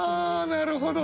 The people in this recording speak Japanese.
なるほど。